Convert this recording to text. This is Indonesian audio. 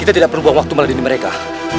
kita tidak perlu waktu melalui mereka